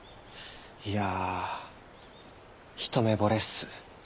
いや一目惚れっす。